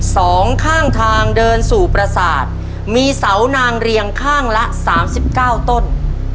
สองข้างทางเดินสู่ประสาทมีเสานางเรียงข้างละสามสิบเก้าต้น